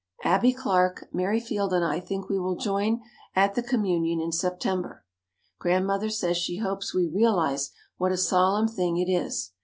Abbie Clark, Mary Field and I think we will join at the communion in September. Grandmother says she hopes we realize what a solemn thing it is.